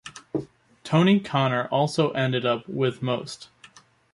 Tony Connor also ended up with Most.